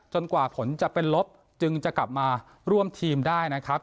กว่าผลจะเป็นลบจึงจะกลับมาร่วมทีมได้นะครับ